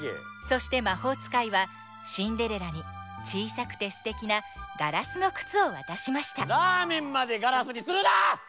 そしてまほうつかいはシンデレラにちいさくてすてきなガラスのくつをわたしましたラーメンまでガラスにするな！